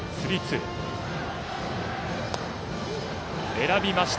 選びました。